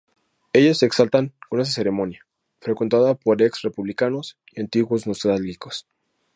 Ellos se exaltan con esta ceremonia, frecuentada por ex-republicanos y antiguos nostálgicos.